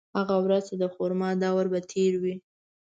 هغه ورځ چې د خومار دَور به تېر وي